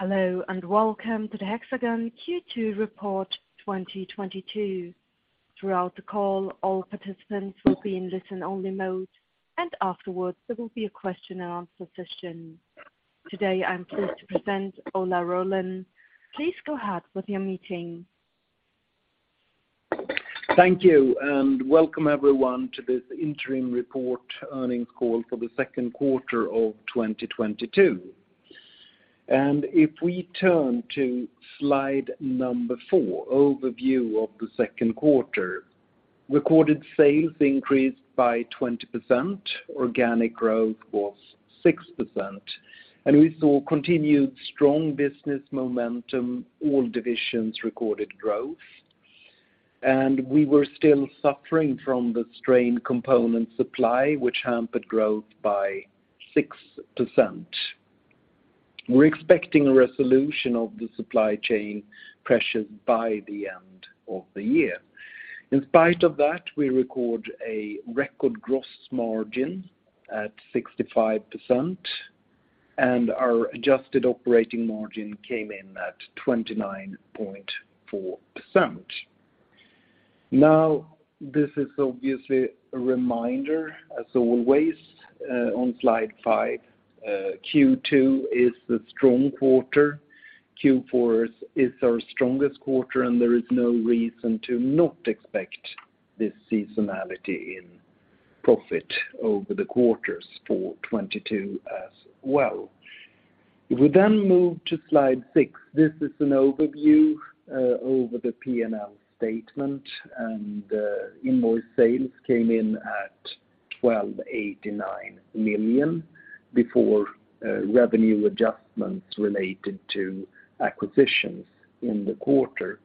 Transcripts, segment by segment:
Hello, and welcome to the Hexagon Q2 Report 2022. Throughout the call, all participants will be in listen-only mode, and afterwards, there will be a question and answer session. Today, I am pleased to present Ola Rollén. Please go ahead with your meeting. Thank you, and welcome everyone to this Interim Report Earnings Call for the Second Quarter of 2022. If we turn to slide four, overview of the second quarter, recorded sales increased by 20%. Organic growth was 6%, and we saw continued strong business momentum, all divisions recorded growth. We were still suffering from the strained component supply, which hampered growth by 6%. We're expecting a resolution of the supply chain pressures by the end of the year. In spite of that, we record a record gross margin at 65%, and our adjusted operating margin came in at 29.4%. Now, this is obviously a reminder, as always, on slide five, Q2 is a strong quarter. Q4 is our strongest quarter, and there is no reason to not expect this seasonality in profit over the quarters for 2022 as well. If we move to slide six, this is an overview over the P&L statement, and invoice sales came in at 1,289 million before revenue adjustments related to acquisitions in the quarter.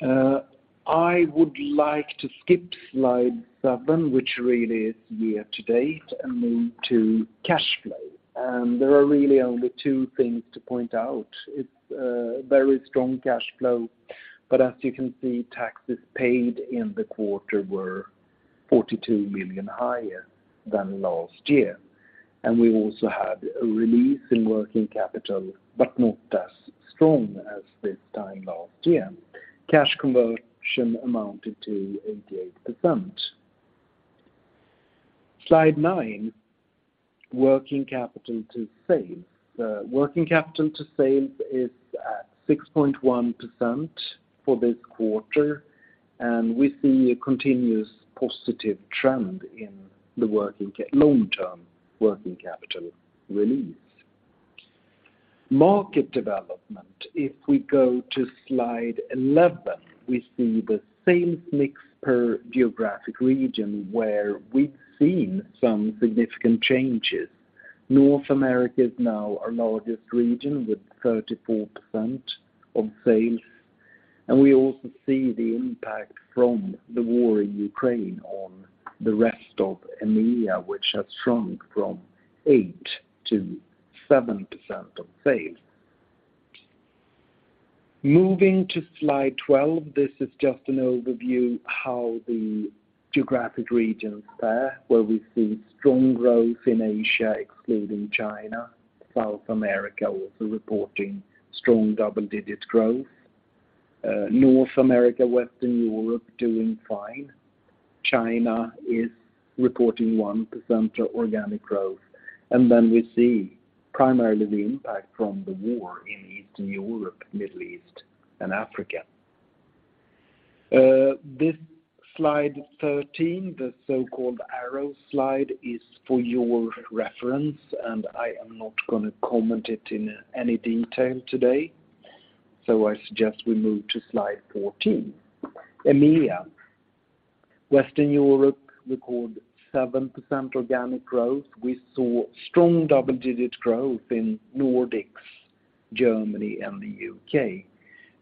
I would like to skip slide seven, which really is year-to-date, and move to cash flow. There are really only two things to point out. It's very strong cash flow, but as you can see, taxes paid in the quarter were 42 million higher than last year. We also had a release in working capital, but not as strong as this time last year. Cash conversion amounted to 88%. Slide nine, working capital to sales. The working capital to sales is at 6.1% for this quarter, and we see a continuous positive trend in the long-term working capital release. Market development, if we go to slide 11, we see the sales mix per geographic region where we've seen some significant changes. North America is now our largest region with 34% of sales, and we also see the impact from the war in Ukraine on the rest of EMEA, which has shrunk from 8%-7% of sales. Moving to slide 12, this is just an overview how the geographic regions fare, where we see strong growth in Asia, excluding China. South America also reporting strong double-digit growth. North America, Western Europe doing fine. China is reporting 1% organic growth. Then we see primarily the impact from the war in Eastern Europe, Middle East, and Africa. This slide 13, the so-called arrow slide, is for your reference, and I am not gonna comment it in any detail today. I suggest we move to slide 14. EMEA. Western Europe recorded 7% organic growth. We saw strong double-digit growth in Nordics, Germany, and the U.K.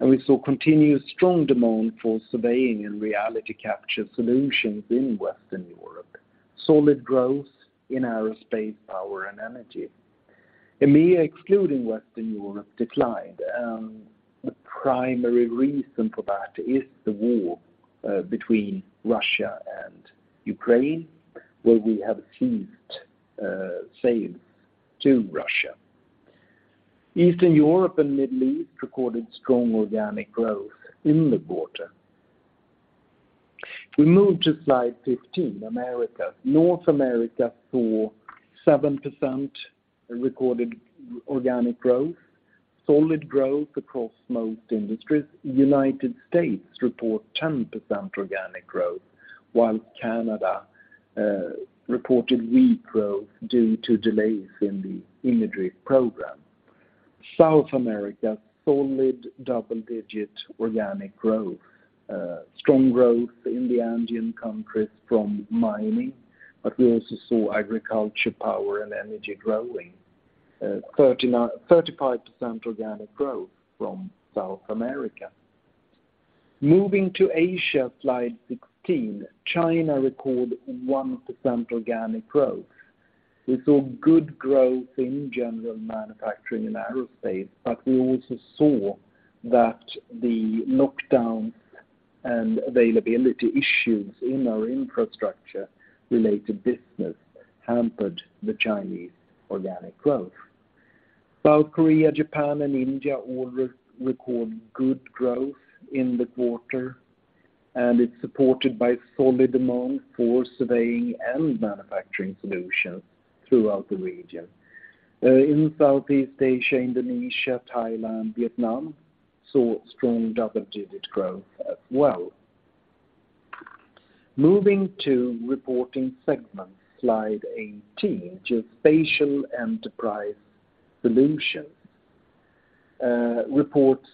We saw continued strong demand for surveying and reality capture solutions in Western Europe. Solid growth in aerospace, power, and energy. EMEA, excluding Western Europe, declined, and the primary reason for that is the war between Russia and Ukraine, where we have ceased sales to Russia. Eastern Europe and Middle East recorded strong organic growth in the quarter. We move to slide 15, Americas. North America saw 7% recorded organic growth. Solid growth across most industries. United States reported 10% organic growth, while Canada reported weak growth due to delays in the imagery program. South America, solid double-digit organic growth. Strong growth in the Andean countries from mining, but we also saw agriculture, power, and energy growing. 35% organic growth from South America. Moving to Asia, slide 16, China recorded 1% organic growth. We saw good growth in general manufacturing and aerospace, but we also saw that the lockdown and availability issues in our infrastructure related business hampered the Chinese organic growth. South Korea, Japan, and India all recorded good growth in the quarter, and it's supported by solid demand for surveying and manufacturing solutions throughout the region. In Southeast Asia, Indonesia, Thailand, Vietnam, saw strong double-digit growth as well. Moving to reporting segments, slide 18, Geospatial Enterprise Solutions reports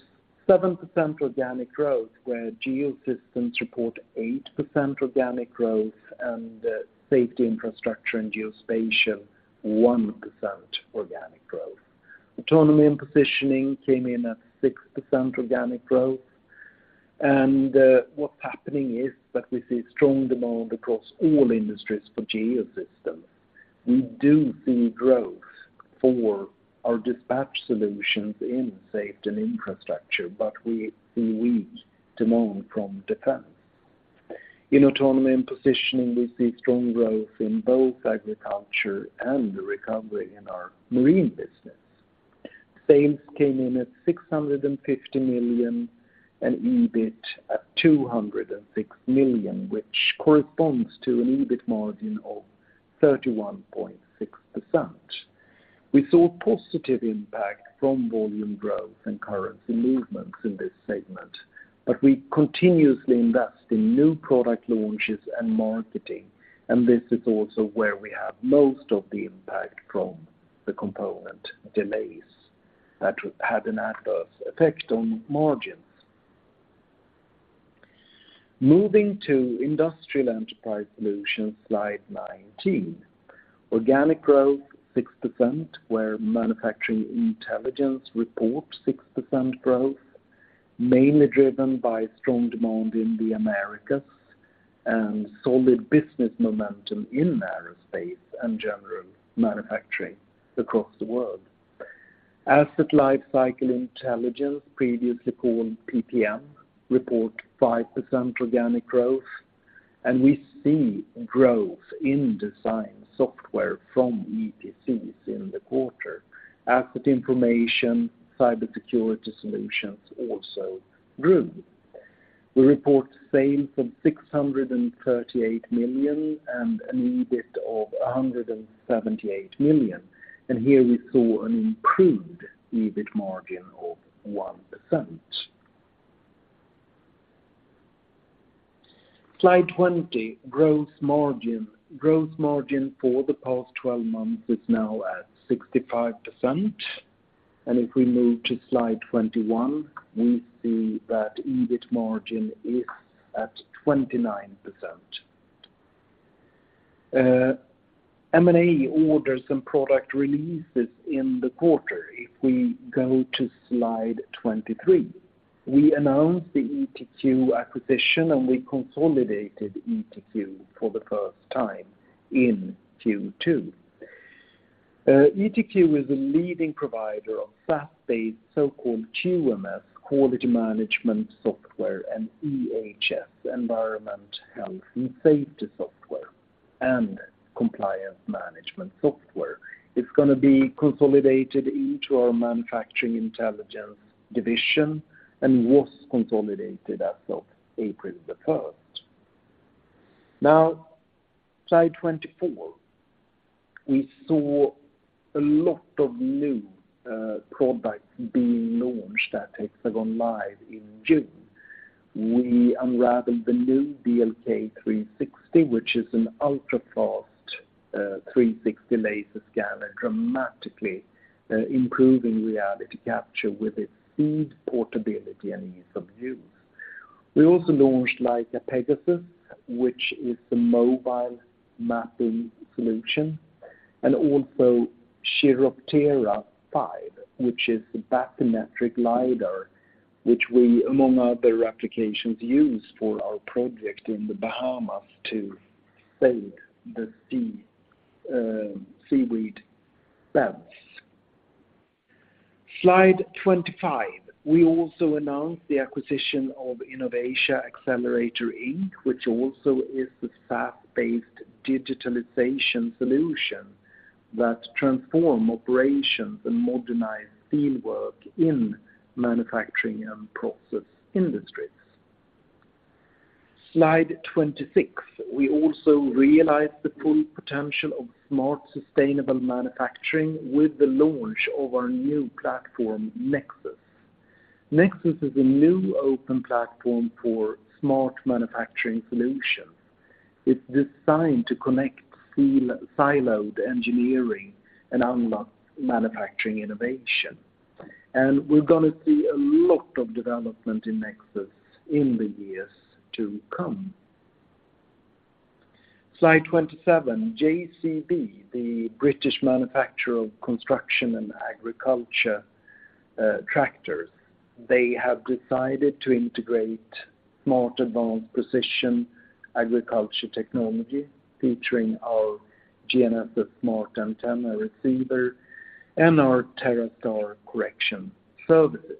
7% organic growth, where Geosystems report 8% organic growth and safety, infrastructure, and geospatial 1% organic growth. Autonomy and positioning came in at 6% organic growth. What's happening is that we see strong demand across all industries for Geosystems. We do see growth for our dispatch solutions in safety and infrastructure, but we see weak demand from defense. In autonomy and positioning, we see strong growth in both agriculture and the recovery in our marine business. Sales came in at 650 million and EBIT at 206 million, which corresponds to an EBIT margin of 31.6%. We saw positive impact from volume growth and currency movements in this segment, but we continuously invest in new product launches and marketing, and this is also where we have most of the impact from the component delays that had an adverse effect on margins. Moving to Industrial Enterprise Solutions, slide 19. Organic growth 6%, where Manufacturing Intelligence reports 6% growth, mainly driven by strong demand in the Americas and solid business momentum in aerospace and general manufacturing across the world. Asset Lifecycle Intelligence, previously called PPM, report 5% organic growth, and we see growth in design software from EPCs in the quarter. Asset Information, Cybersecurity Solutions also grew. We report sales of 638 million and an EBIT of 178 million, and here we saw an improved EBIT margin of 1%. Slide 20, gross margin. Gross margin for the past 12 months is now at 65%, and if we move to slide 21, we see that EBIT margin is at 29%. M&A orders and product releases in the quarter, if we go to slide 23. We announced the ETQ acquisition, and we consolidated ETQ for the first time in Q2. ETQ is a leading provider of SaaS-based so-called QMS, Quality Management Software, and EHS, Environment, Health and Safety Software, and Compliance Management Software. It's gonna be consolidated into our Manufacturing Intelligence Division and was consolidated as of April 1st. Now, slide 24, we saw a lot of new products being launched at Hexagon LIVE in June. We unveiled the new BLK360, which is an ultra-fast 360 laser scanner, dramatically improving reality capture with its speed, portability and ease of use. We also launched Leica Pegasus, which is the mobile mapping solution, and also Chiroptera-5, which is the bathymetric LiDAR, which we, among other applications, use for our project in the Bahamas to save the sea seaweed beds. Slide 25. We also announced the acquisition of Innovatia Accelerator Inc, which also is the SaaS-based digitalization solution that transform operations and modernize field work in manufacturing and process industries. Slide 26. We also realized the full potential of smart, sustainable manufacturing with the launch of our new platform, Nexus. Nexus is a new open platform for smart manufacturing solutions. It's designed to connect siloed engineering and unlock manufacturing innovation. We're gonna see a lot of development in Nexus in the years to come. Slide 27, JCB, the British manufacturer of construction and agriculture tractors. They have decided to integrate smart advanced precision agriculture technology featuring our GNSS smart antenna receiver and our TerraStar correction services.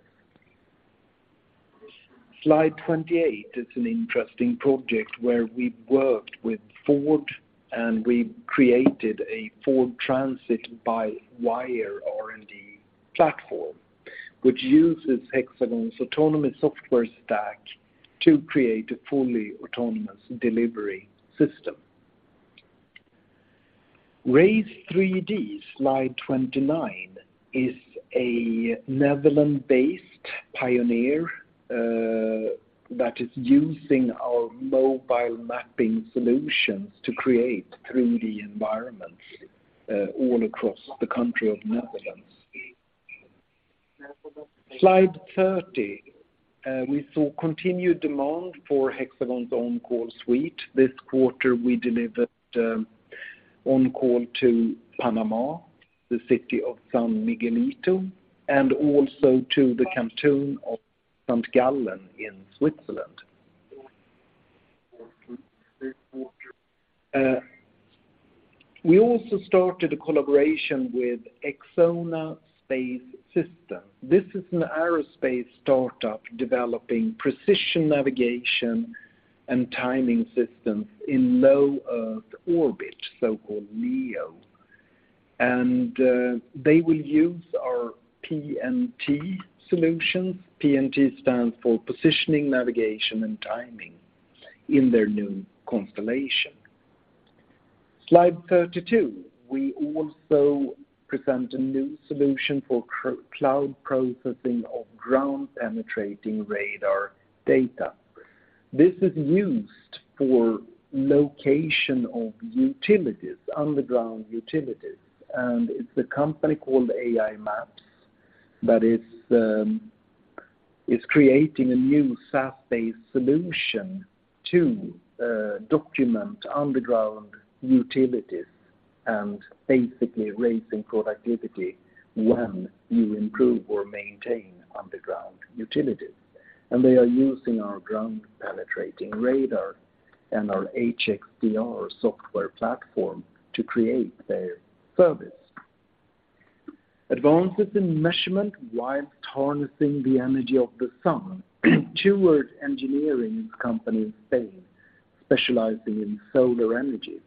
Slide 28 is an interesting project where we worked with Ford, and we created a Ford Transit by-wire R&D platform, which uses Hexagon's autonomous software stack to create a fully autonomous delivery system. Race 3D, slide 29, is a Netherlands-based pioneer that is using our mobile mapping solutions to create 3D environments all across the country of Netherlands. Slide 30, we saw continued demand for Hexagon's OnCall suite. This quarter, we delivered OnCall to Panama, the city of San Miguelito, and also to the canton of St. Gallen in Switzerland. We also started a collaboration with Xona Space Systems. This is an aerospace startup developing precision navigation and timing systems in low Earth orbit, so-called LEO. They will use our PNT solutions. PNT stands for positioning, navigation, and timing in their new constellation. Slide 32, we also present a new solution for cloud processing of ground-penetrating radar data. This is used for location of utilities, underground utilities, and it's a company called AiMaps that is creating a new SaaS-based solution to document underground utilities and basically raising productivity when you improve or maintain underground utilities. They are using our ground-penetrating radar and our HxDR software platform to create their service. Advances in measurement while harnessing the energy of the sun. TÜV Rheinland engineering companies in Spain specializing in solar energy.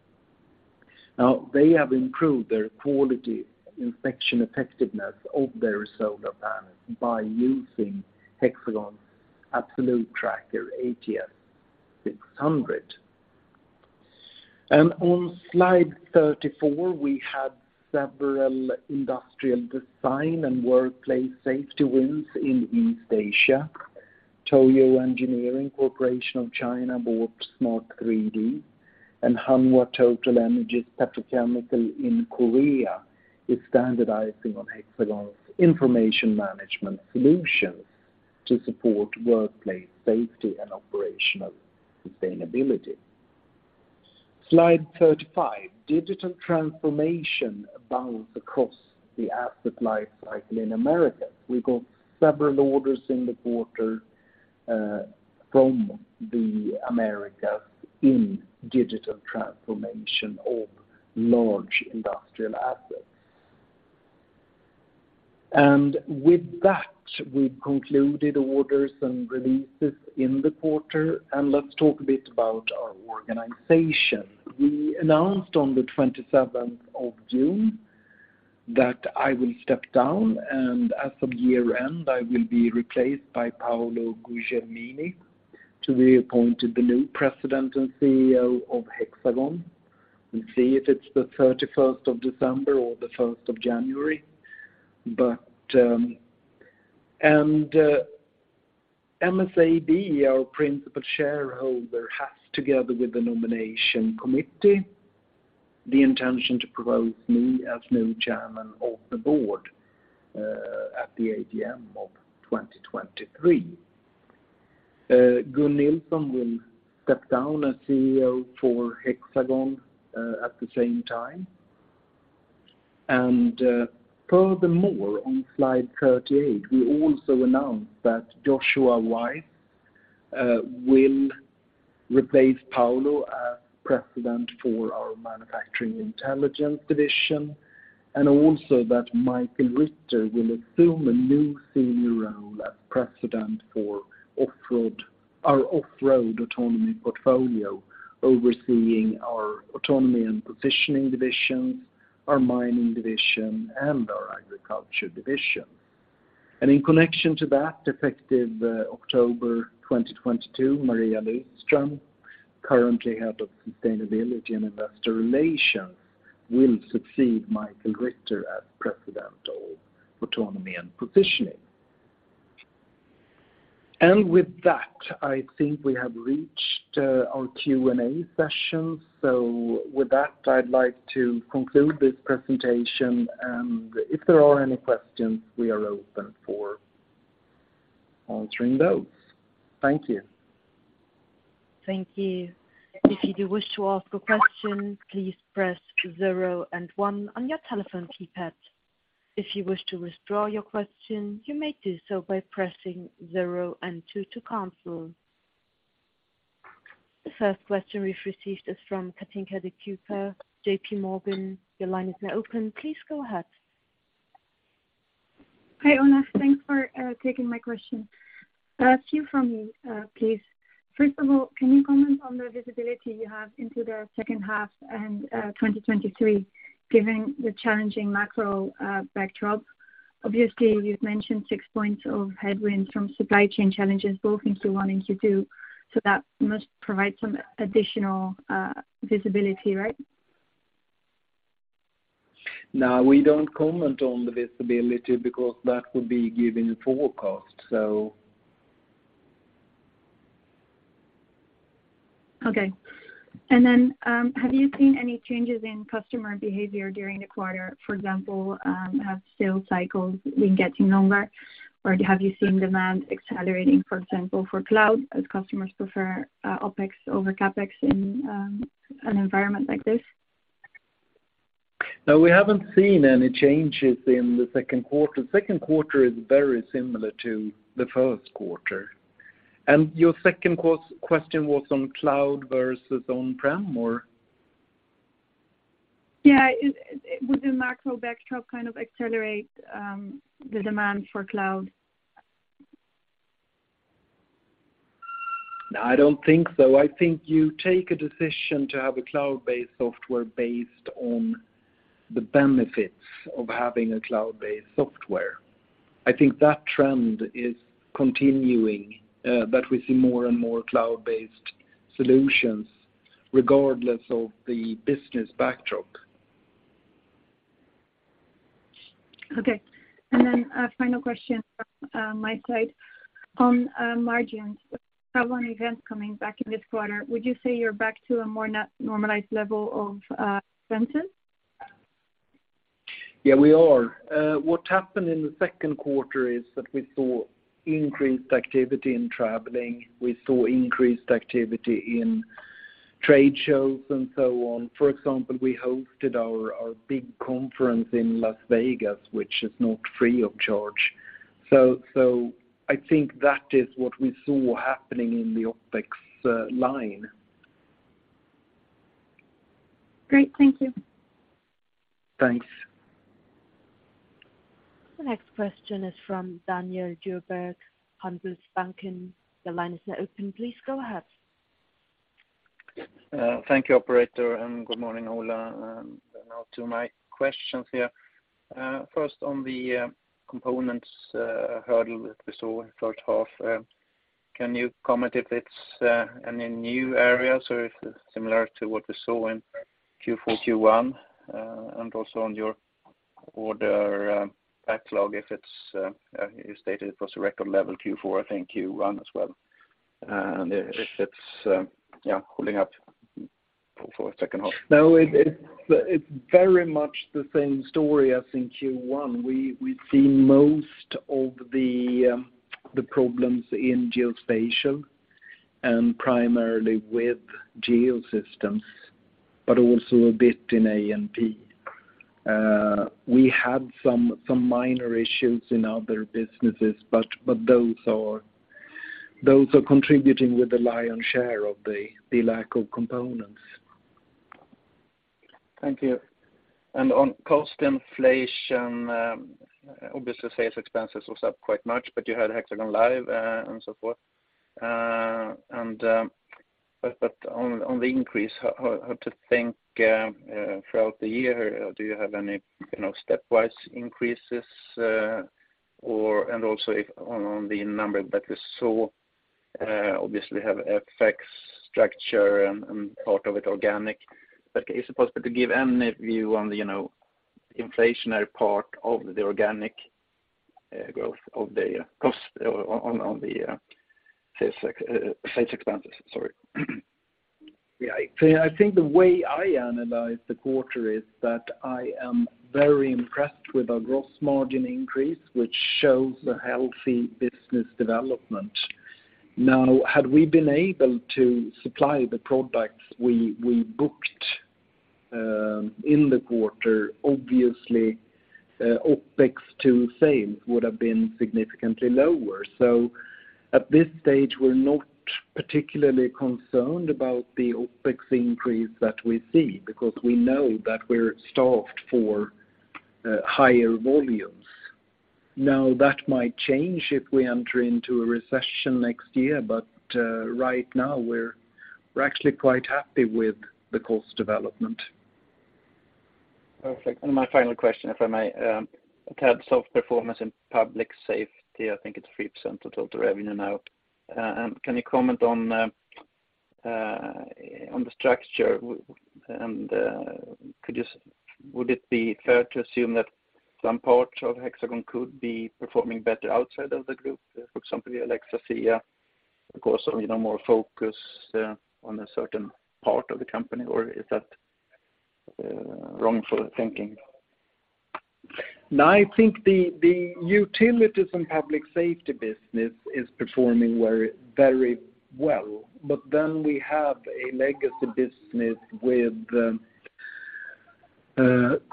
Now, they have improved their quality inspection effectiveness of their solar panels by using Hexagon's Absolute Tracker ATS600. On slide 34, we had several industrial design and workplace safety wins in East Asia. Toyo Engineering Corporation of China bought Smart 3D, and Hanwha TotalEnergies Petrochemical in Korea is standardizing on Hexagon's information management solutions to support workplace safety and operational sustainability. Slide 35, digital transformation around the asset life cycle in the Americas. We got several orders in the quarter from the Americas in digital transformation of large industrial assets. With that, we've concluded orders and releases in the quarter, and let's talk a bit about our organization. We announced on the 27th of June that I will step down, and as of year-end, I will be replaced by Paolo Guglielmini to be appointed the new President and CEO of Hexagon. We'll see if it's the 31st of December or the 1st of January. MSAB, our principal shareholder, has together with the nomination committee, the intention to propose me as new chairman of the board at the AGM of 2023. Gun Nilsson will step down as CEO for Hexagon at the same time. Furthermore, on slide 38, we also announced that Joshua Weiss will replace Paolo as President of our Manufacturing Intelligence Division, and also that Michael Ritter will assume a new senior role as President for off-road, our off-road autonomy portfolio, overseeing our autonomy and positioning divisions, our mining division, and our agriculture division. In connection to that, effective October 2022, Maria Luthström, currently head of sustainability and investor relations, will succeed Michael Ritter as President of Autonomy and Positioning. With that, I think we have reached our Q&A session. With that, I'd like to conclude this presentation, and if there are any questions, we are open for answering those. Thank you. Thank you. If you do wish to ask a question, please press zero and one on your telephone keypad. If you wish to withdraw your question, you may do so by pressing zero and two to cancel. The first question we've received is from Kathinka De Kuyper, J.P. Morgan. Your line is now open. Please go ahead. Hi, Ola. Thanks for taking my question. A few from me, please. First of all, can you comment on the visibility you have into the second half and 2023, given the challenging macro backdrop? Obviously, you've mentioned six points of headwind from supply chain challenges, both into Q1 and Q2, so that must provide some additional visibility, right? No, we don't comment on the visibility because that would be giving a forecast. Have you seen any changes in customer behavior during the quarter, for example, have sales cycles been getting longer, or have you seen demand accelerating, for example, for cloud as customers prefer OpEx over CapEx in an environment like this? No, we haven't seen any changes in the second quarter. Second quarter is very similar to the first quarter. Your second question was on cloud versus on-prem or? Would the macro backdrop kind of accelerate the demand for cloud? No, I don't think so. I think you take a decision to have a cloud-based software based on the benefits of having a cloud-based software. I think that trend is continuing, that we see more and more cloud-based solutions regardless of the business backdrop. Okay. A final question from my side. On margins, travel and events coming back in this quarter, would you say you're back to a more normalized level of expenses? Yeah, we are. What happened in the second quarter is that we saw increased activity in traveling. We saw increased activity in trade shows and so on. For example, we hosted our big conference in Las Vegas, which is not free of charge. I think that is what we saw happening in the OpEx line. Great. Thank you. Thanks. The next question is from Daniel Djurberg, Handelsbanken. Your line is now open. Please go ahead. Thank you, operator, and good morning, Ola. Now to my questions here. First on the components hurdle that we saw in the first half, can you comment if it's in a new area, so if it's similar to what we saw in Q4, Q1, and also on your order backlog, you stated it was a record level Q4, I think Q1 as well, and if it's yeah holding up for the second half. No, it's very much the same story as in Q1. We see most of the problems in Geospatial and primarily with Geosystems, but also a bit in A&P. We had some minor issues in other businesses, but those are contributing with the lion's share of the lack of components. Thank you. On cost inflation, obviously, sales expenses was up quite much, but you had Hexagon LIVE, and so forth. But on the increase, how to think throughout the year? Do you have any, you know, stepwise increases, or and also if on the number that we saw, obviously have FX structure and part of it organic. But is it possible to give any view on the, you know, inflationary part of the organic growth of the cost on the sales expenses? Sorry. Yeah. I think the way I analyze the quarter is that I am very impressed with our gross margin increase, which shows a healthy business development. Now, had we been able to supply the products we booked in the quarter, obviously, OpEx-to-sales would have been significantly lower. At this stage, we're not particularly concerned about the OpEx increase that we see because we know that we're staffed for higher volumes. Now, that might change if we enter into a recession next year, but right now we're actually quite happy with the cost development. Perfect. My final question, if I may. I've heard sales performance in public safety, I think it's 3% of total revenue now. Can you comment on the structure? Would it be fair to assume that some parts of Hexagon could be performing better outside of the group, for example, ALI via, of course, you know, more focus on a certain part of the company? Or is that wrong way of thinking? No, I think the utilities and public safety business is performing very, very well. We have a legacy business with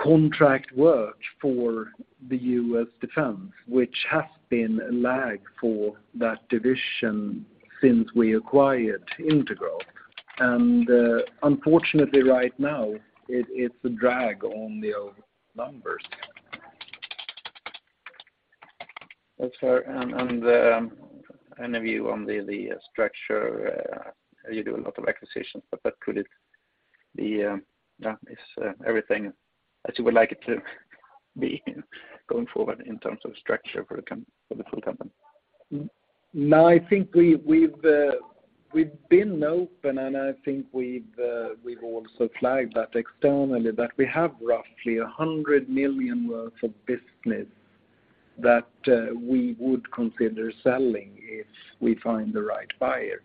contract work for the U.S. defense, which has been lagging for that division since we acquired Intergraph. Unfortunately right now, it's a drag on the numbers. That's fair. A view on the structure, you do a lot of acquisitions, but could it be, yeah, is everything as you would like it to be going forward in terms of structure for the full company? No, I think we've been open, and I think we've also flagged that externally that we have roughly 100 million worth of business that we would consider selling if we find the right buyer.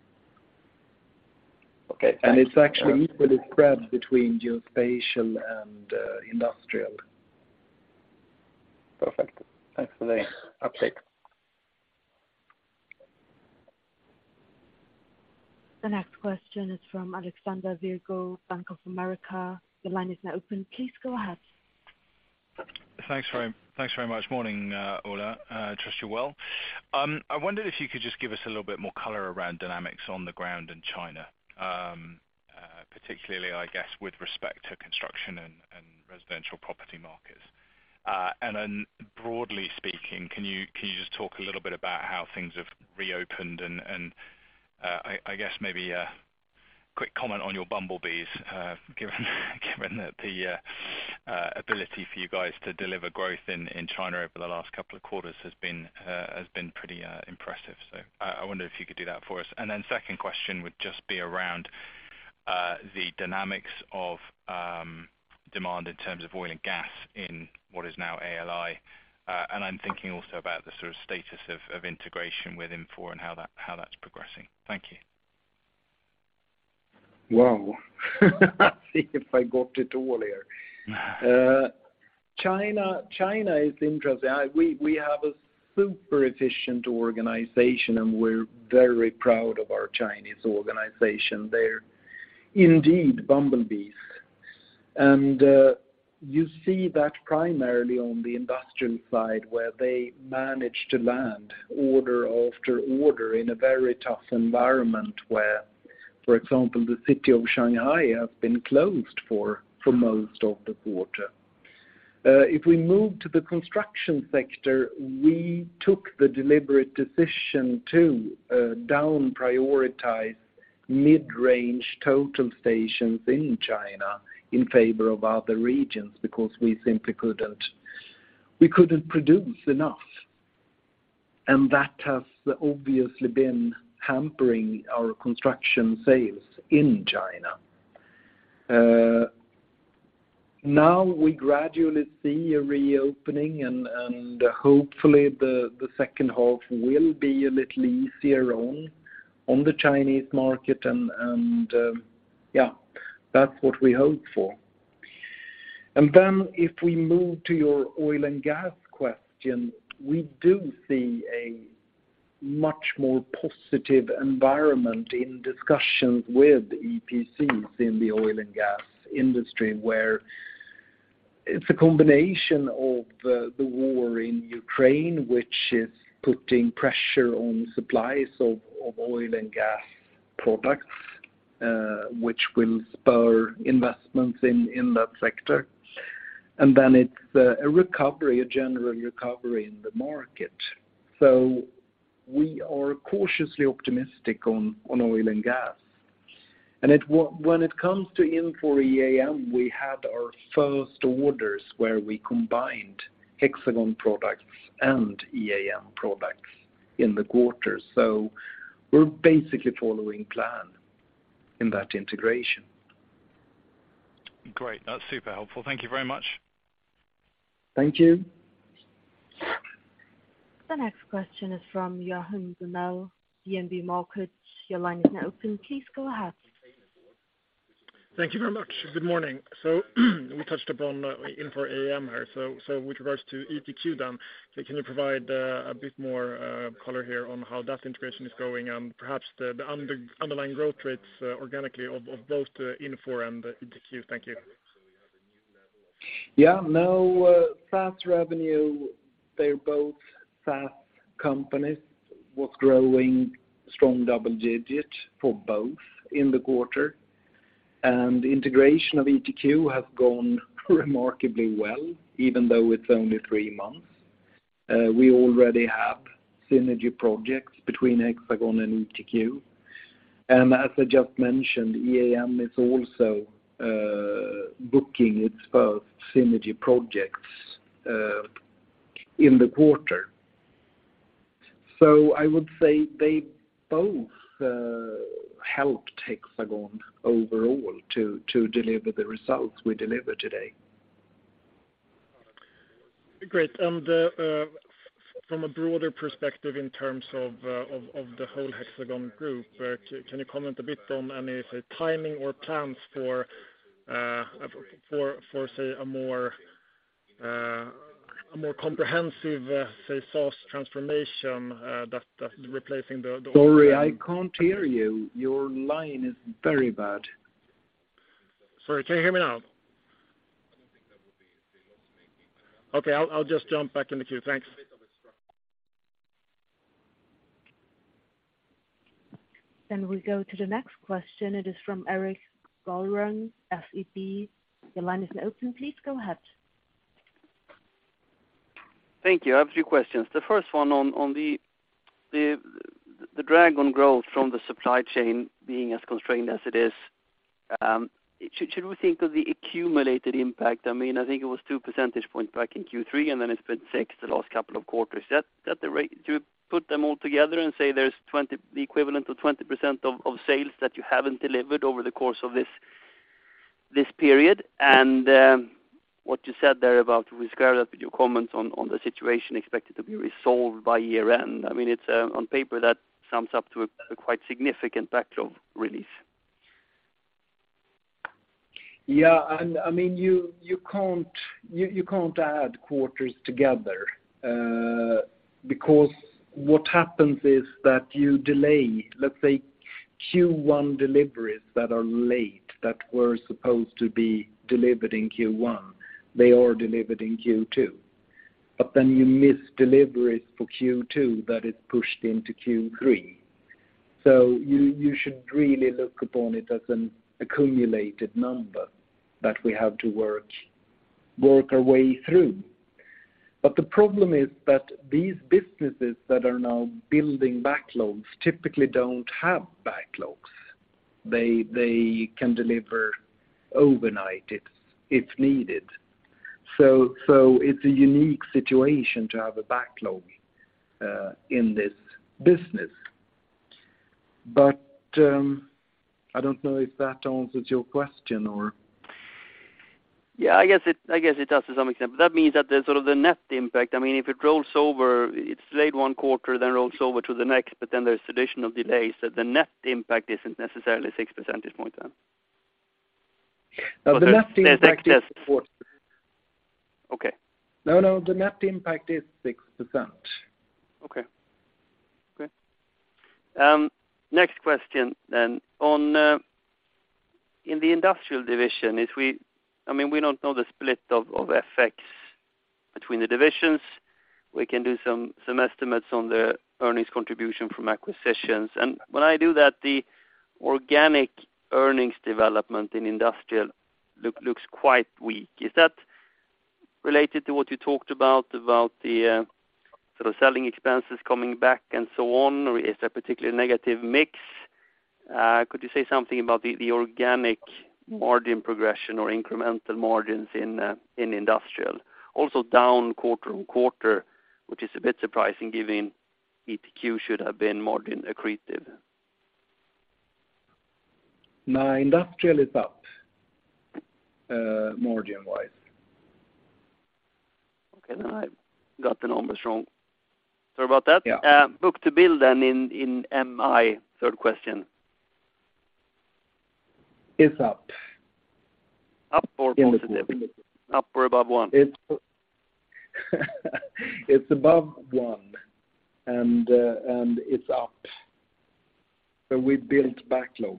Okay. It's actually equally spread between Geospatial and Industrial. Perfect. Thanks for the update. The next question is from Alexander Virgo, Bank of America. Your line is now open. Please go ahead. Thanks very much. Morning, Ola. Trust you're well. I wondered if you could just give us a little bit more color around dynamics on the ground in China, particularly, I guess, with respect to construction and residential property markets. Broadly speaking, can you just talk a little bit about how things have reopened and I guess maybe a quick comment on your bumblebees, given that the ability for you guys to deliver growth in China over the last couple of quarters has been pretty impressive. I wonder if you could do that for us. Second question would just be around the dynamics of demand in terms of oil and gas in what is now ALI. I'm thinking also about the sort of status of integration with Infor and how that's progressing. Thank you. Wow. Let's see if I got it all here. China is interesting. We have a super efficient organization, and we're very proud of our Chinese organization. They're indeed bumblebees. You see that primarily on the industrial side, where they manage to land order after order in a very tough environment where, for example, the city of Shanghai has been closed for most of the quarter. If we move to the construction sector, we took the deliberate decision to deprioritize mid-range total stations in China in favor of other regions because we simply couldn't produce enough. That has obviously been hampering our construction sales in China. Now we gradually see a reopening and hopefully the second half will be a little easier on the Chinese market and that's what we hope for. If we move to your oil and gas question, we do see a much more positive environment in discussions with EPCs in the oil and gas industry, where it's a combination of the war in Ukraine, which is putting pressure on supplies of oil and gas products, which will spur investments in that sector. It's a general recovery in the market. We are cautiously optimistic on oil and gas. When it comes to Infor EAM, we had our first orders where we combined Hexagon products and EAM products in the quarter. We're basically following plan in that integration. Great. That's super helpful. Thank you very much. Thank you. The next question is from Johan Gunell, DNB Markets. Your line is now open. Please go ahead. Thank you very much. Good morning. We touched upon Infor EAM here. With regards to ETQ then, can you provide a bit more color here on how that integration is going and perhaps the underlying growth rates organically of both the Infor and ETQ? Thank you. Yeah, no, SaaS revenue, they're both SaaS companies, was growing strong double-digit for both in the quarter. Integration of ETQ has gone remarkably well, even though it's only three months. We already have synergy projects between Hexagon and ETQ. As I just mentioned, EAM is also booking its first synergy projects in the quarter. I would say they both helped Hexagon overall to deliver the results we deliver today. Great. From a broader perspective in terms of the whole Hexagon group, can you comment a bit on any, say, timing or plans for say a more A more comprehensive, say, source transformation that replacing Sorry, I can't hear you. Your line is very bad. Sorry, can you hear me now? I don't think that would be. Okay. I'll just jump back in the queue. Thanks. A bit of a structure. We go to the next question. It is from Erik Golrang, SEB. Your line is open. Please go ahead. Thank you. I have three questions. The first one on the drag on growth from the supply chain being as constrained as it is. Should we think of the accumulated impact? I mean, I think it was two percentage points back in Q3, and then it's been six the last couple of quarters. Is that the rate? Do you put them all together and say there's the equivalent of 20% of sales that you haven't delivered over the course of this period? What you said there about regarding your comments on the situation expected to be resolved by year-end. I mean, it's on paper that sums up to a quite significant backlog relief. Yeah. I mean, you can't add quarters together, because what happens is that you delay, let's say, Q1 deliveries that are late, that were supposed to be delivered in Q1, they are delivered in Q2. Then you miss deliveries for Q2 that is pushed into Q3. You should really look upon it as an accumulated number that we have to work our way through. The problem is that these businesses that are now building backlogs typically don't have backlogs. They can deliver it overnight if needed. It's a unique situation to have a backlog in this business. I don't know if that answers your question. Yeah, I guess it does to some extent. That means that the sort of net impact, I mean, if it rolls over, it's delayed one quarter, then rolls over to the next, but then there's additional delays. The net impact isn't necessarily six percentage points then. No, the net impact is. Okay. No, no. The net impact is 6%. Next question. In the industrial division, I mean, we don't know the split of effects between the divisions. We can do some estimates on the earnings contribution from acquisitions. When I do that, the organic earnings development in industrial looks quite weak. Is that related to what you talked about the sort of selling expenses coming back and so on, or is there a particular negative mix? Could you say something about the organic margin progression or incremental margins in industrial? Also down quarter-over-quarter, which is a bit surprising given ETQ should have been margin accretive. No, industrial is up, margin-wise. Okay. Now I've gotten all this wrong. Sorry about that. Yeah. Book-to-bill in MI, third question. Is up. Up or positive? In the- Up or above one? It's above one and it's up. We built backlog.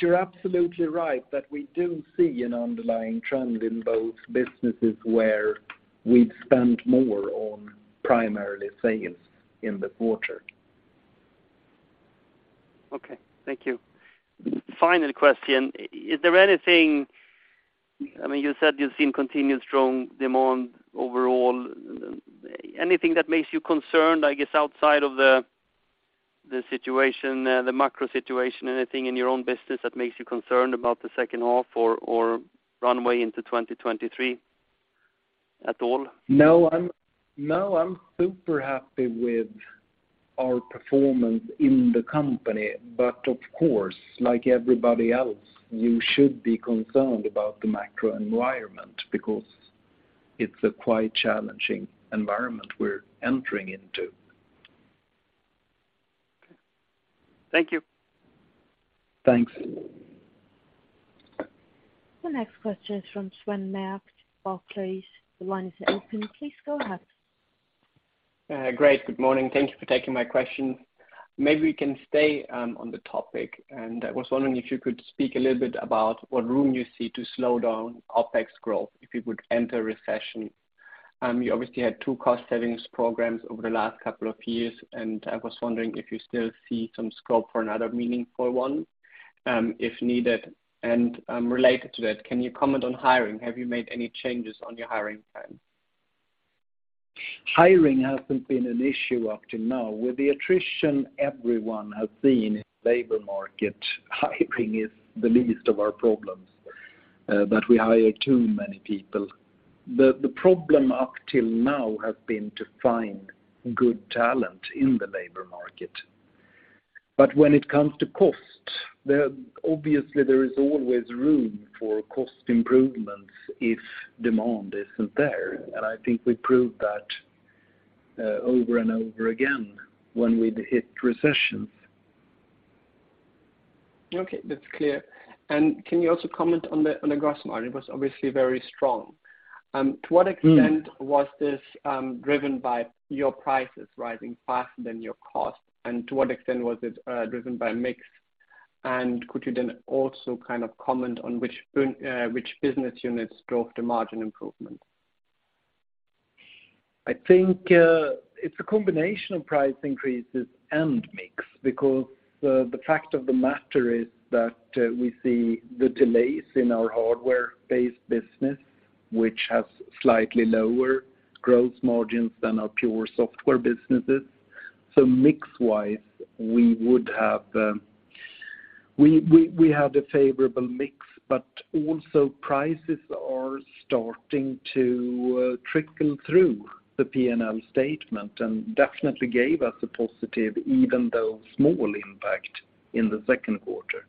You're absolutely right that we do see an underlying trend in both businesses where we've spent more on primarily sales in the quarter. Okay. Thank you. Final question. Is there anything? I mean, you said you've seen continued strong demand overall. Anything that makes you concerned, I guess, outside of the situation, the macro situation, anything in your own business that makes you concerned about the second half or runway into 2023 at all? No, I'm super happy with our performance in the company. Of course, like everybody else, you should be concerned about the macro environment because it's a quite challenging environment we're entering into. Okay. Thank you. Thanks. The next question is from Sven Merkt, Barclays. The line is open. Please go ahead. Great. Good morning. Thank you for taking my questions. Maybe we can stay on the topic. I was wondering if you could speak a little bit about what room you see to slow down OpEx growth if it would enter recession. You obviously had two cost savings programs over the last couple of years, and I was wondering if you still see some scope for another meaningful one, if needed. Related to that, can you comment on hiring? Have you made any changes on your hiring plan? Hiring hasn't been an issue up to now. With the attrition everyone has seen in labor market, hiring is the least of our problems, that we hire too many people. The problem up till now has been to find good talent in the labor market. But when it comes to cost, there, obviously, there is always room for cost improvements if demand isn't there. I think we proved that over and over again when we'd hit recessions. Okay. That's clear. Can you also comment on the gross margin? It was obviously very strong. To what extent? Mm. Was this driven by your prices rising faster than your cost? To what extent was it driven by mix? Could you then also kind of comment on which business units drove the margin improvement? I think it's a combination of price increases and mix because the fact of the matter is that we see the delays in our hardware-based business which has slightly lower gross margins than our pure software businesses. Mix wise, we had a favorable mix, but also prices are starting to trickle through the P&L statement and definitely gave us a positive, even though small impact in the second quarter.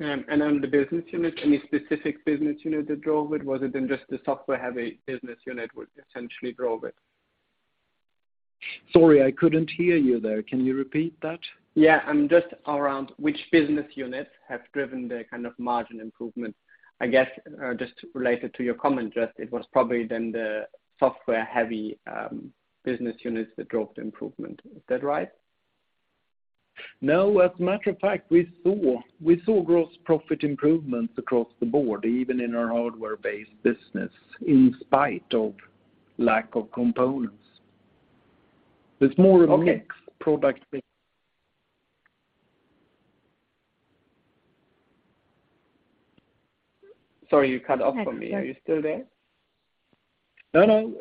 On the business unit, any specific business unit that drove it? Was it then just the software-heavy business unit would essentially drove it? Sorry, I couldn't hear you there. Can you repeat that? Just around which business units have driven the kind of margin improvement? I guess, just related to your comment, just it was probably then the software-heavy business units that drove the improvement. Is that right? No. As a matter of fact, we saw gross profit improvements across the board, even in our hardware-based business in spite of lack of components. The small- Okay Mix product MI Sorry, you cut off on me. Are you still there? No, no.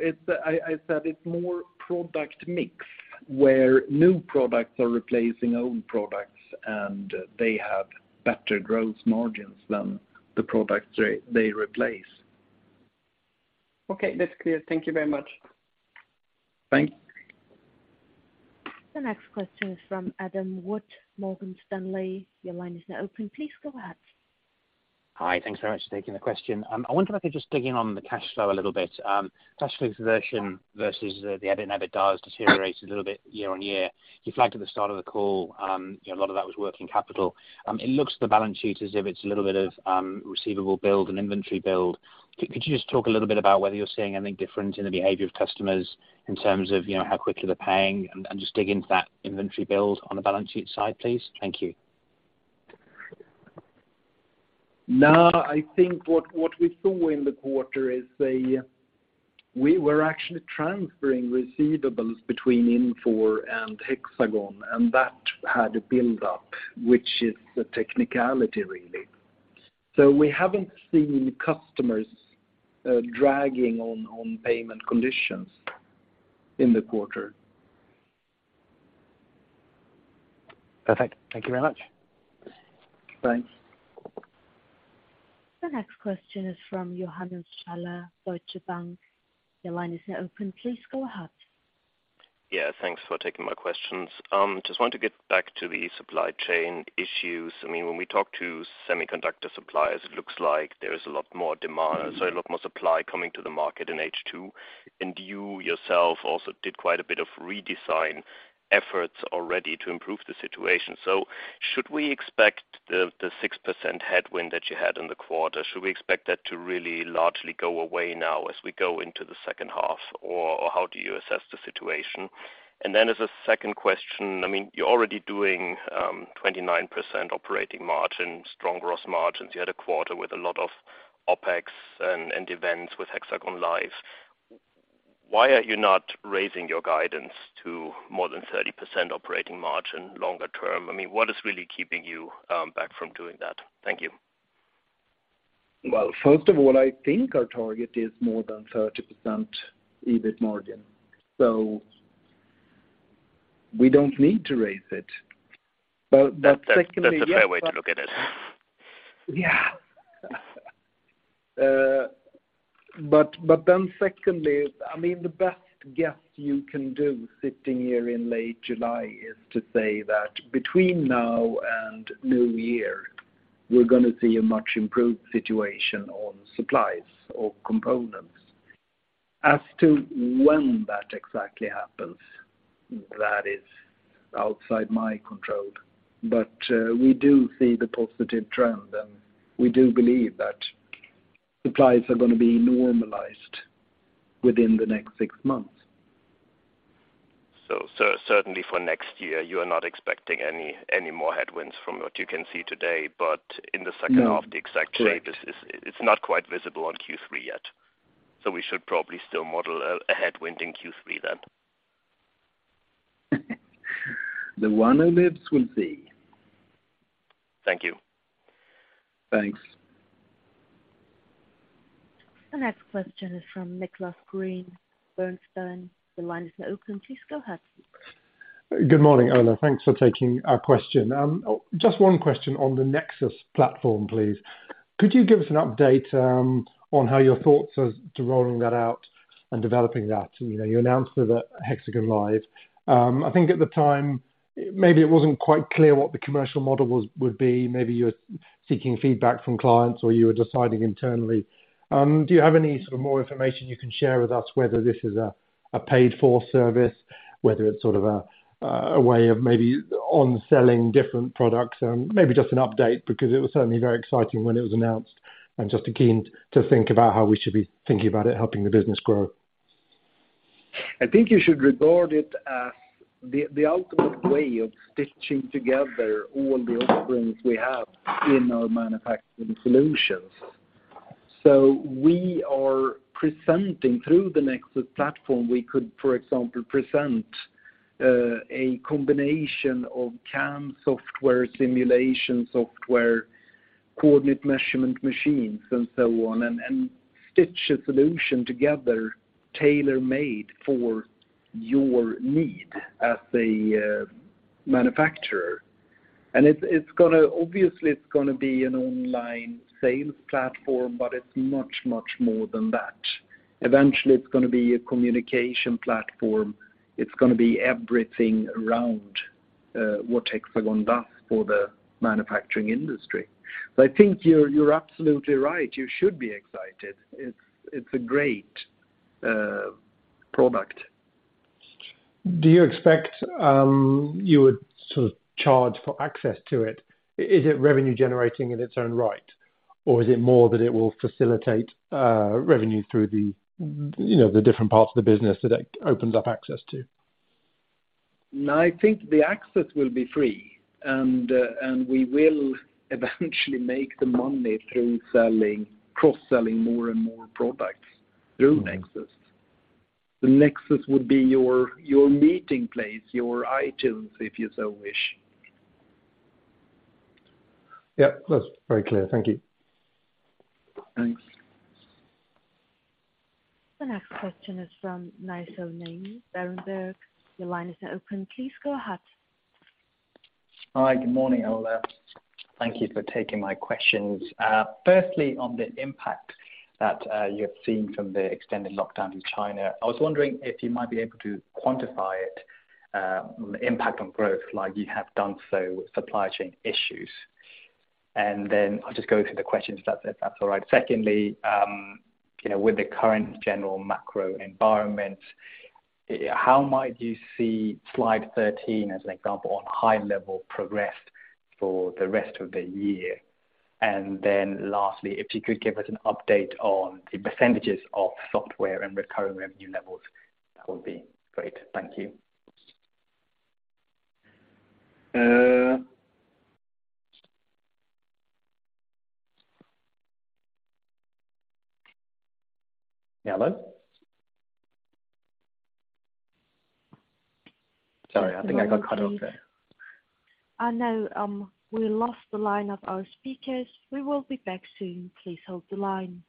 I said it's more product mix where new products are replacing old products and they have better gross margins than the products they replace. Okay. That's clear. Thank you very much. Thank you. The next question is from Adam Wood, Morgan Stanley. Your line is now open. Please go ahead. Hi. Thanks very much for taking the question. I wonder if I could just dig in on the cash flow a little bit. Cash flow conversion versus the EBIT and EBITDA deteriorated a little bit year-over-year. You flagged at the start of the call, you know, a lot of that was working capital. It looks at the balance sheet as if it's a little bit of receivable build and inventory build. Could you just talk a little bit about whether you're seeing anything different in the behavior of customers in terms of, you know, how quickly they're paying and just dig into that inventory build on the balance sheet side, please? Thank you. No. I think what we saw in the quarter is, we were actually transferring receivables between Infor and Hexagon and that had a buildup which is a technicality really. We haven't seen customers dragging on payment conditions in the quarter. Perfect. Thank you very much. Thanks. The next question is from Johannes Schaller, Deutsche Bank. Your line is now open. Please go ahead. Yeah, thanks for taking my questions. Just want to get back to the supply chain issues. I mean, when we talk to semiconductor suppliers it looks like there is a lot more supply coming to the market in H2. You yourself also did quite a bit of redesign efforts already to improve the situation. Should we expect the six percent headwind that you had in the quarter to really largely go away now as we go into the second half? Or how do you assess the situation? Then as a second question, I mean, you're already doing 29% operating margin, strong gross margins. You had a quarter with a lot of OpEx and events with Hexagon LIVE. Why are you not raising your guidance to more than 30% operating margin longer term? I mean, what is really keeping you back from doing that? Thank you. Well, first of all, I think our target is more than 30% EBIT margin. We don't need to raise it. Secondly. That's a fair way to look at it. Secondly, I mean the best guess you can do sitting here in late July is to say that between now and New Year we're gonna see a much improved situation on supplies or components. As to when that exactly happens, that is outside my control but we do see the positive trend and we do believe that supplies are gonna be normalized within the next six months. Certainly for next year you are not expecting any more headwinds from what you can see today, but in the second- No Half the exact trade is. It's not quite visible on Q3 yet. We should probably still model a headwind in Q3 then. The one who lives will see. Thank you. Thanks. The next question is from Nicholas Green, Bernstein. Your line is now open. Please go ahead. Good morning, Ola. Thanks for taking our question. Just one question on the Nexus platform, please. Could you give us an update on how your thoughts as to rolling that out and developing that? You know, you announced it at Hexagon LIVE. I think at the time maybe it wasn't quite clear what the commercial model was, would be. Maybe you were seeking feedback from clients or you were deciding internally. Do you have any sort of more information you can share with us whether this is a paid-for service, whether it's sort of a way of maybe on selling different products? Maybe just an update because it was certainly very exciting when it was announced. I'm just keen to think about how we should be thinking about it helping the business grow. I think you should regard it as the ultimate way of stitching together all the offerings we have in our manufacturing solutions. We are presenting through the Nexus platform, we could, for example, present a combination of CAM software, simulation software, coordinate measurement machines and so on, and stitch a solution together tailor-made for your need as the manufacturer. It's gonna obviously, it's gonna be an online sales platform, but it's much, much more than that. Eventually, it's gonna be a communication platform. It's gonna be everything around what Hexagon does for the manufacturing industry. I think you're absolutely right, you should be excited. It's a great product. Do you expect you would sort of charge for access to it? Is it revenue generating in its own right, or is it more that it will facilitate revenue through the, you know, the different parts of the business that it opens up access to? No, I think the access will be free. We will eventually make the money through selling, cross-selling more and more products through Nexus. The Nexus would be your meeting place, your iTunes, if you so wish. Yeah. That's very clear. Thank you. Thanks. The next question is from Nay Soe Naing, Berenberg. Your line is now open. Please go ahead. Hi. Good morning, Ola. Thank you for taking my questions. Firstly, on the impact that you have seen from the extended lockdown in China, I was wondering if you might be able to quantify it, impact on growth like you have done so with supply chain issues. Then I'll just go through the questions if that's all right. Secondly, you know, with the current general macro environment, how might you see slide 13 as an example on high level progress for the rest of the year? Then lastly, if you could give us an update on the percentages of software and recurring revenue levels, that would be great. Thank you. Uh... Hello? Sorry, I think I got cut off there. No. We lost the line of our speakers. We will be back soon. Please hold the line.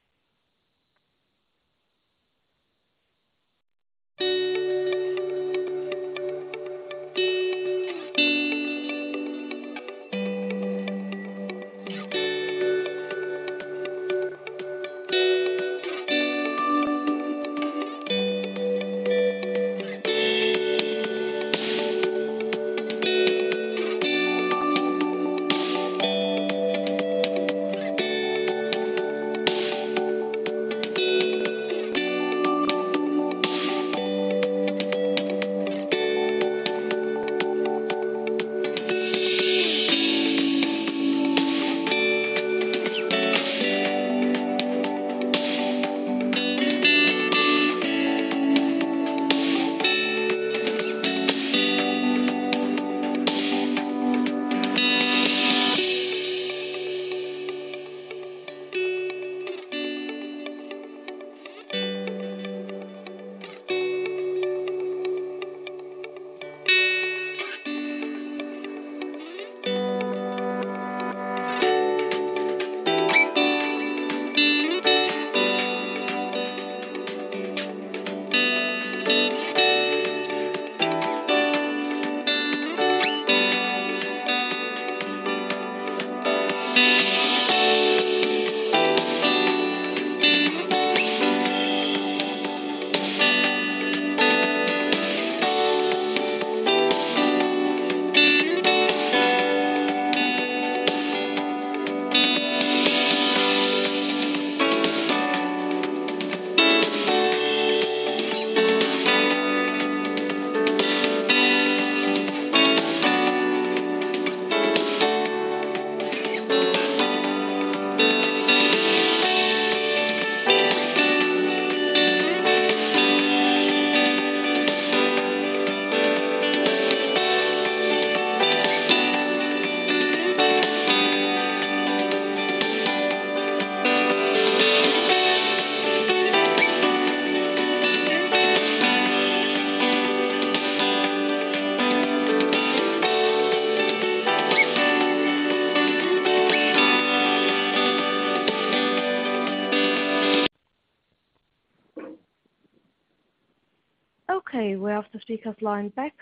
Okay, we have the speaker's line back.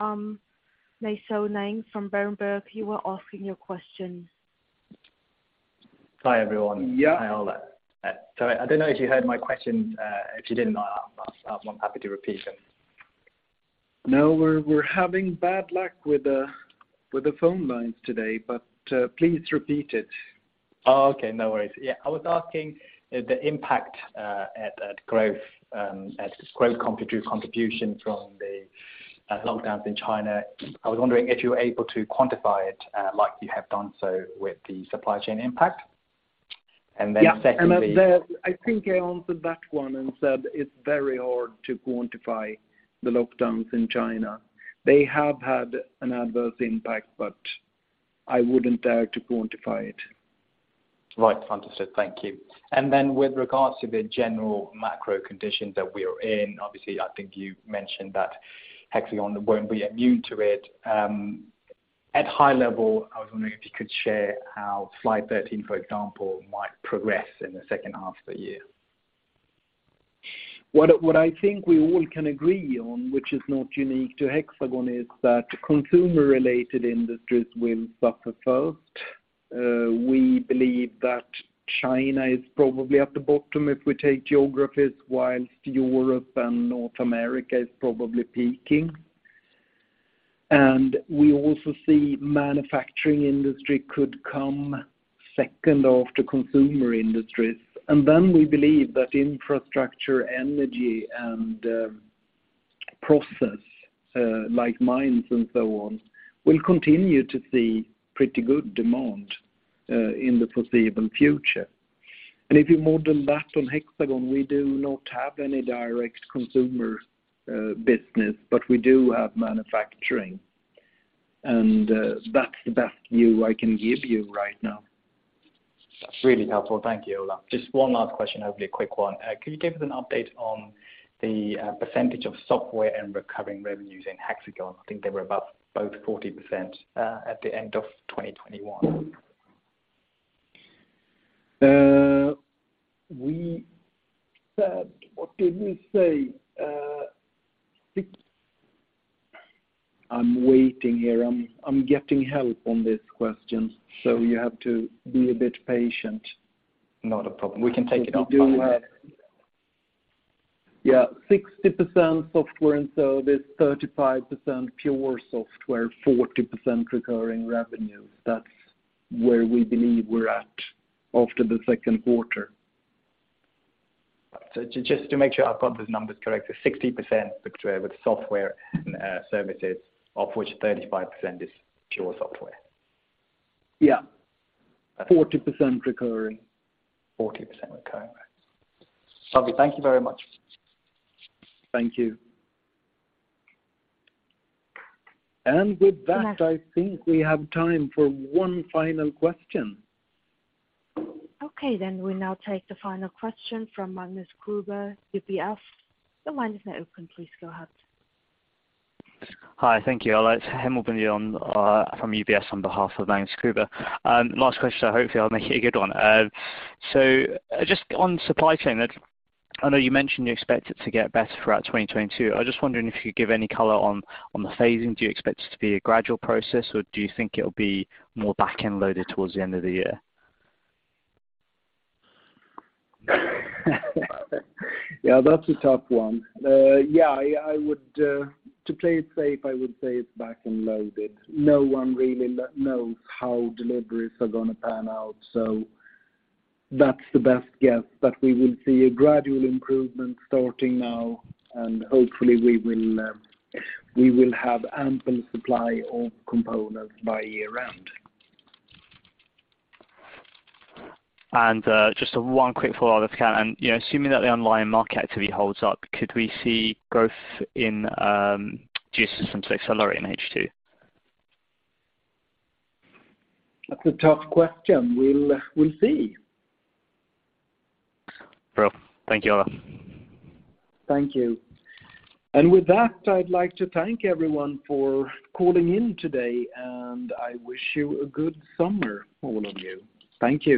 Nay Soe Naing from Berenberg, you were asking your question. Hi, everyone. Yeah. Hi, Ola. Sorry, I don't know if you heard my question. If you didn't, I'm happy to repeat it. No. We're having bad luck with the phone lines today, but please repeat it. Oh, okay. No worries. Yeah. I was asking the impact on growth contribution from the lockdowns in China. I was wondering if you were able to quantify it, like you have done so with the supply chain impact. Yeah. That there, I think I answered that one and said it's very hard to quantify the lockdowns in China. They have had an adverse impact, but I wouldn't dare to quantify it. Right. Understood. Thank you. With regards to the general macro conditions that we are in, obviously, I think you mentioned that Hexagon won't be immune to it. At high level, I was wondering if you could share how slide 13, for example, might progress in the second half of the year. What I think we all can agree on, which is not unique to Hexagon, is that consumer-related industries will suffer first. We believe that China is probably at the bottom if we take geographies, while Europe and North America is probably peaking. We also see manufacturing industry could come second after consumer industries. Then we believe that infrastructure, energy, and process, like mines and so on, will continue to see pretty good demand in the foreseeable future. If you model that on Hexagon, we do not have any direct consumer business, but we do have manufacturing. That's the best view I can give you right now. That's really helpful. Thank you, Ola. Just one last question, hopefully a quick one. Can you give us an update on the percentage of software and recurring revenues in Hexagon? I think they were about both 40% at the end of 2021. What did we say? Six. I'm waiting here. I'm getting help on this question, so you have to be a bit patient. Not a problem. We can take it offline. Yeah. 60% software and service, 35% pure software, 40% recurring revenue. That's where we believe we're at after the second quarter. Just to make sure I've got those numbers correct, 60% with software and services, of which 35% is pure software? Yeah. 40% recurring. 40% recurring. Okay. Thank you very much. Thank you. With that, I think we have time for one final question. Okay. We now take the final question from Magnus Kruber, UBS. The line is now open. Please go ahead. Hi. Thank you. Ola, it's Hamilton from UBS on behalf of Magnus Kruber. Last question, so hopefully I'll make it a good one. Just on supply chain, I know you mentioned you expect it to get better throughout 2022. I was just wondering if you could give any color on the phasing. Do you expect it to be a gradual process, or do you think it'll be more back-end loaded towards the end of the year? Yeah, that's a tough one. Yeah, to play it safe, I would say it's back-end loaded. No one really knows how deliveries are gonna pan out, so that's the best guess. We will see a gradual improvement starting now, and hopefully we will have ample supply of components by year-end. Just one quick follow-up if I can. You know, assuming that the online market activity holds up, could we see growth in Geosystems accelerate in H2? That's a tough question. We'll see. Great. Thank you, Ola. Thank you. With that, I'd like to thank everyone for calling in today, and I wish you a good summer, all of you. Thank you.